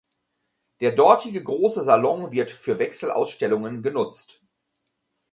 Der dortige große Salon wird für Wechselausstellungen genutzt.